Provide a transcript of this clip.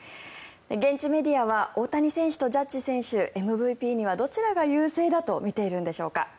現地メディアは大谷選手とジャッジ選手ＭＶＰにはどちらが優勢だと見ているんでしょうか。